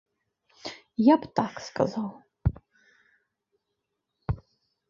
Я б так сказаў.